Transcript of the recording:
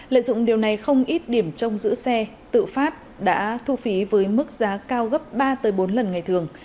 lợi dụng điều này không ít điểm trong giữ xe tự phát đã thu phí với mức giá cao gấp ba bốn lần ngày thường